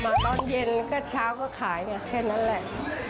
ตอนเย็นก็เช้าก็ขายแค่นั้นแหละ